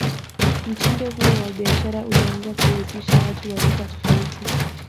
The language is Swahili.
mtindo huo wa Biashara ulianza kuhusisha Watu wa rika tofauti